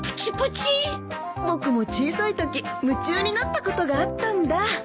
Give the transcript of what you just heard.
僕も小さいとき夢中になったことがあったんだ。